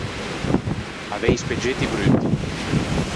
Avei i speggetti brutti.